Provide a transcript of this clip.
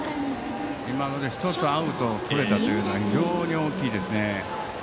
今ので１つアウトをとれたのは非常に大きいです。